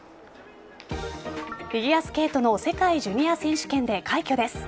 フィギュアスケートの世界ジュニア選手権で快挙です。